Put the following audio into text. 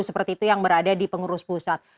seperti itu yang berada di pejabat